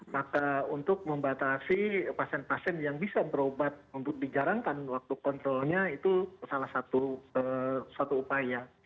maka untuk membatasi pasien pasien yang bisa berobat untuk dijalankan waktu kontrolnya itu salah satu upaya